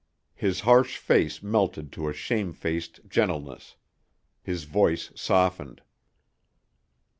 His harsh face melted to a shamefaced gentleness; his voice softened.